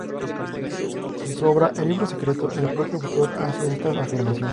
En su obra "El Libro Secreto" el propio autor hace estas afirmaciones.